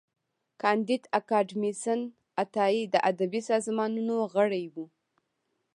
کانديد اکاډميسن عطايي د ادبي سازمانونو غړی و.